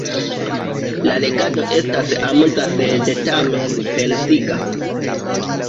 La legado estas amuza sed, tamen, pensiga.